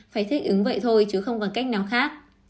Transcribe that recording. phải thích ứng vậy thôi chứ không còn cách nào khác